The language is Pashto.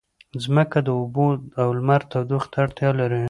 ځمکه د اوبو او لمر تودوخې ته اړتیا لري.